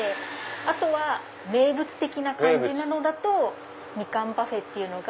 あとは名物的な感じなのだとみかんパフェっていうのが。